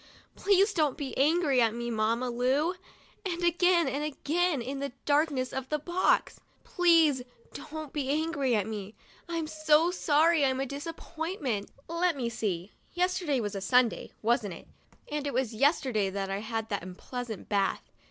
" Please don't be angry at me, Mamma Lu !" and again and again, in the darkness of the box, " Please don't be angry at me, I'm so sorry I'm a disappointment." Let me see. Yesterday was Sunday, wasn't it ? and it was yesterday that I had that unpleasant bath.